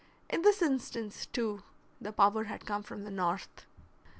In this instance, too, the power had come from the north.